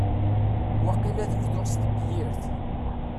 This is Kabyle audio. Waqil ad bduɣ s tebyirt.